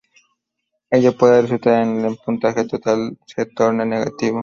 Ello puede resultar en que el puntaje total se torne negativo.